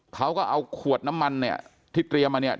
เขาก็เอาขวดน้ำมันเนี่ยที่เตรียมมาเนี่ย